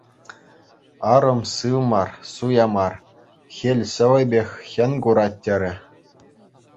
Арӑм сыв мар, суя мар, хӗл-ҫӑвӗпех хӗн курать, терӗ.